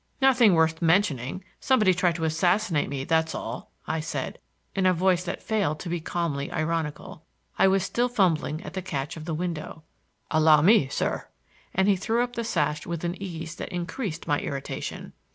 "Nothing worth mentioning. Somebody tried to assassinate me, that's all," I said, in a voice that failed to be calmly ironical. I was still fumbling at the catch of the window. "Allow me, sir,"—and he threw up the sash with an ease that increased my irritation.